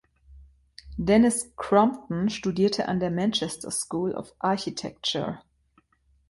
Dennis Crompton studierte an der Manchester School of Architecture.